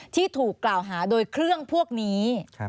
ที่ถูกกล่าวหาโดยเครื่องพวกนี้